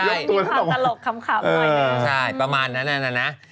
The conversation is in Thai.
มีภาพตลบคำขาวง่ายใช่ประมาณนั้นน่ะนะคะ